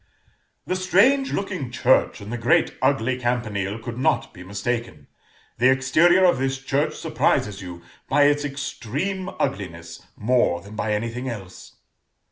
"The strange looking church, and the great ugly campanile, could not be mistaken. The exterior of this church surprises you by its extreme ugliness, more than by anything else."